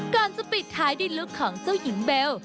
ก่อนจะปิดท้ายด้วยลุคของเจ้าหญิงเบล